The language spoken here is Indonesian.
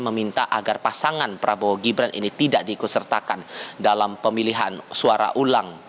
meminta agar pasangan prabowo gibran ini tidak diikut sertakan dalam pemilihan suara ulang